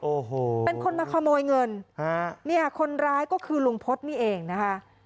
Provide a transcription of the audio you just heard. โอ้โหเป็นคนมาขโมยเงินฮะเนี่ยคนร้ายก็คือลุงพฤษนี่เองนะคะ